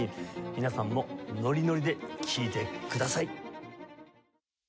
皆さんもノリノリで聴いてください。